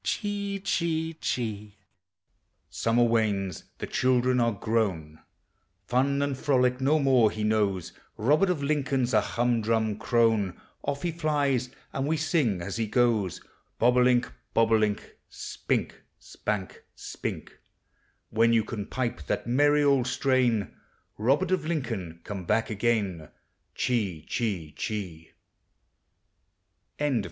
Chee, chee, chee. Summer wanes; the children are grown; Fun and frolic no more he knows; Robert of Lincoln's a humdrum crone; Off he flies, and we sing as he goes: Bob o' link, bob o' link, Spink, spank, spink; When you can pipe that merry old strain, Robert of Lincoln, come back again.